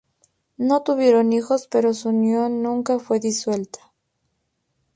No tuvieron hijos, pero su unión nunca fue disuelta.